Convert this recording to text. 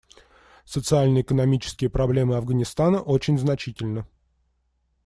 Социально-экономические проблемы Афганистана очень значительны.